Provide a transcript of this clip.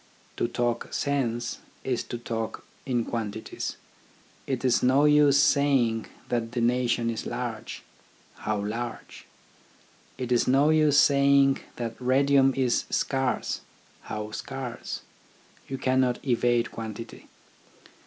To talk sense, is to talk in quantities. It is no use saying that the nation is large, — How large ? It is no use saying that radium is scarce, — How scarce ? You cannot evade quantity.